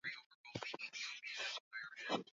mabalozi wao wameteguliwa na kambi ya lauren bagbo